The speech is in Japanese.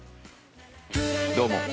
◆どうも。